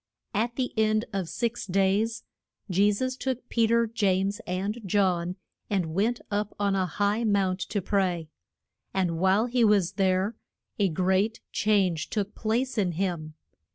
At the end of six days Je sus took Pe ter, James, and John, and went up on a high mount to pray. And while he was there a great change took place in him.